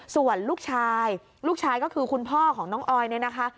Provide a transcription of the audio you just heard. ส่วนลูกชายลูกชายก็คือคุณพ่อของน้องออยเนี่ยนะคะ